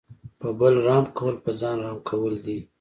په بل رحم کول په ځان رحم کول دي.